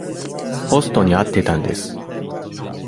ホストに会ってたんです。